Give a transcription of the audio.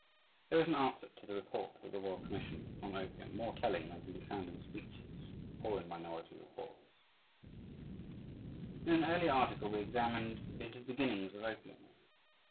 There is an answer to the report of the Royal Commission on opium more telling than can be found in speeches or in minority reports. In an earlier article we examined into the beginnings of opium.